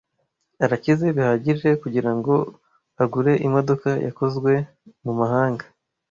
Arakize bihagije kugirango agure imodoka yakozwe mumahanga.